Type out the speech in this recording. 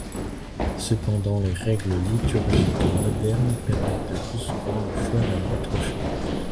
Cependant les règles liturgiques modernes permettent le plus souvent le choix d'un autre chant.